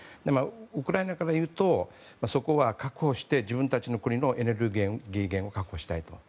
ウクライナからいうとそこは確保して自分たちの国のエネルギー源を確保したい。